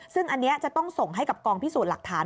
ซึ่งอันนี้จะต้องส่งให้กับกองพิสูจน์หลักฐาน